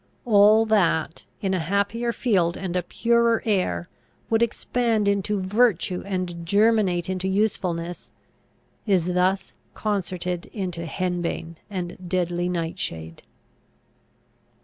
All that, in a happier field and a purer air, would expand into virtue and germinate into usefulness, is thus concerted into henbane and deadly nightshade.